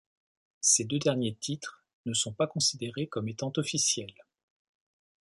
Ces deux derniers titres ne sont pas considérés comme étant officiels.